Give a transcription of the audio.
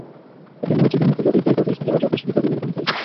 এটি মরীচিকার মতো—যতই পড়ি ততই শিখি, আবার যতই শিখি ততই বিভ্রান্ত হই।